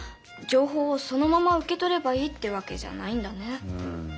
情報をそのまま受け取ればいいってわけじゃないんだね。